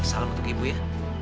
salam untuk ibu ya